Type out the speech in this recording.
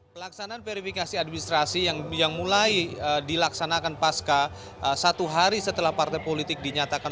pelaksanaan verifikasi administrasi yang mulai dilaksanakan pasca satu hari setelah partai politik dinyatakan